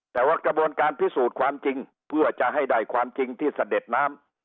แต่ว่ากระบวนการพิสูจน์ความจริงเพื่อจะให้ได้ความจริงที่เสด็จน้ำ